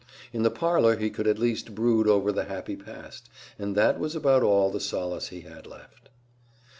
In the parlor he could at least brood over the happy past, and that was about all the solace he had left.